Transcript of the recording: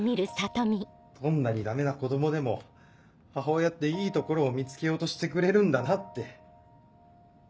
どんなにダメな子供でも母親っていいところを見つけようとしてくれるんだなって。